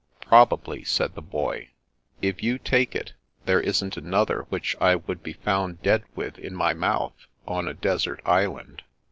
"" Probably," said the boy. " If you take it, there isn't another which I would be found dead with in my mouth, on a desert island.